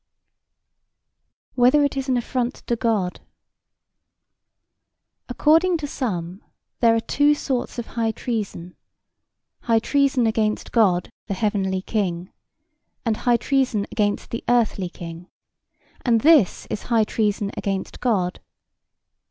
Whether it is an affront to God? According to some there are two sorts of High Treason, High Treason against God, the Heavenly King, and High treason against the earthly king: and this is High Treason against God.